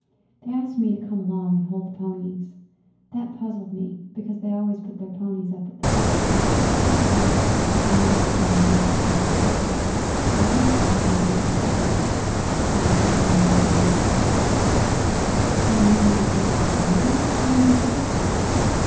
They asked me to come along and hold the ponies. That puzzled me, because they always put their ponies up at the "Buck" or Epply's when they went to see General Washington in the city, and horse holding is a nigger's job. Besides, I wasn't exactly dressed for it.' 'D'you mean you were dressed like an Indian?' Dan demanded.